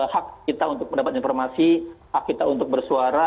hak kita untuk mendapat informasi hak kita untuk bersuara